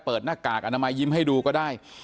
หน้ากากอนามัยยิ้มให้ดูก็ได้